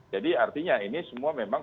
jadi artinya ini semua memang